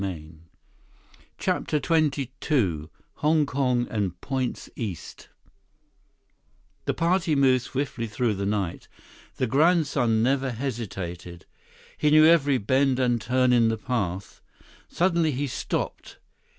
175 CHAPTER XXII Hong Kong and Points East The party moved swiftly through the night. The grandson never hesitated. He knew every bend and turn in the path. Suddenly he stopped.